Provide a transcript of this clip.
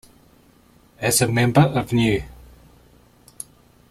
As a member of Neu!